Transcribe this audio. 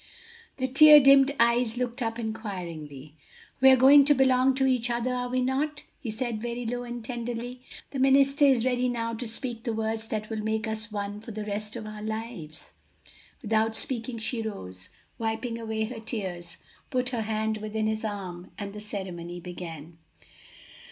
The tear dimmed eyes looked up inquiringly. "We are going to belong to each other, are we not?" he said very low and tenderly. "The minister is ready now to speak the words that will make us one for the rest of our lives." Without speaking she rose, wiping away her tears, put her hand within his arm, and the ceremony began.